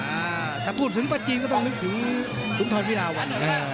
อ่าถ้าพูดถึงประจีนก็ต้องนึกถึงสุนทรวิลาวันนะ